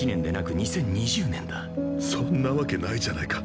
そんなわけないじゃないか。